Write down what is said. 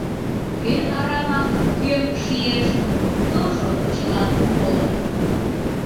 Кӧ арамак кӧм шиеш, тожо чылан колыт.